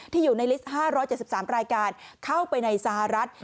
อยู่ในลิสต์๕๗๓รายการเข้าไปในสหรัฐ